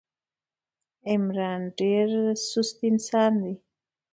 عمران ډېر سوست انسان ده.